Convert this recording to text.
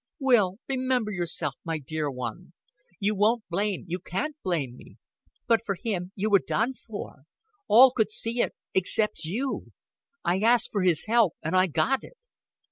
"Will remember yourself, my dear one. You won't blame, you can't blame me. But for him, you were done for. All could see it, except you. I asked for his help, and I got it."